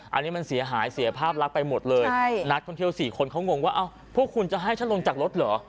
อันนี้มันเสียหายเสียภาพลักษณ์ไปหมดเลยนักท่องเที่ยว๔คนเขางงว่าพวกคุณจะให้ฉันลงจากรถเหรอ